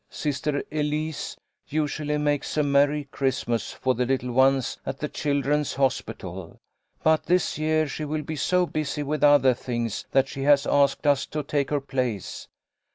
Sister Elise usually makes a merry Christmas for the little ones at the Children's Hospital, but this year she will be so busy with other things that she has asked us to take her place.